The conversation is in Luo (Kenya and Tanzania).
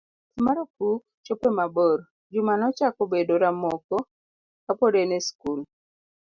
Wuoth mar opuk, chope mabor, Juma nochako bedo ramoko kapod en e skul.